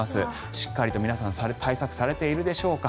しっかりと皆さん対策されているでしょうか。